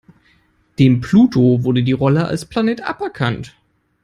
Dem Pluto wurde die Rolle als Planet aberkannt.